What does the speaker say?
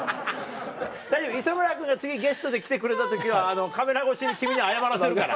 大丈夫磯村君が次ゲストで来てくれた時はカメラ越しに君に謝らせるから。